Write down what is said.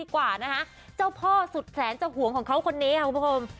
กว่านะฮะเจ้าพ่อสุดแสนเจ้าหวงของเขาคนนี้ครับคุณผู้หญิง